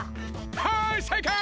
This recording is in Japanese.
はいせいかい！